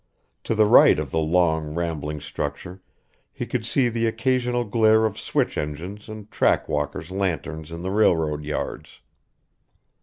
To the right of the long, rambling structure he could see the occasional glare of switch engines and track walkers' lanterns in the railroad yards.